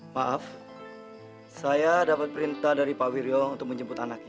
maaf saya dapat perintah dari pak wirjo untuk menjemput anaknya